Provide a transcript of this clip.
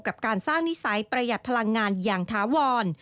กับการสร้างนิสัยประหยัดพลังงานอย่างถาวร